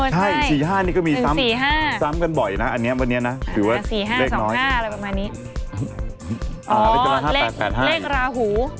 อือใช่๑๔๕ซ้ำกันบ่อยนะอันนี้วันนี้นะหรือว่าเลขน้อยอ๋อเลขราหู